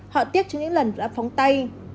họ tiếc cho những lần đã phóng tay